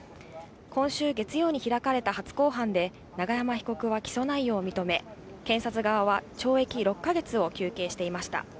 今週月曜に開かれた初公判で、永山被告は起訴内容を認め、検察側は懲役６か月を求刑していました。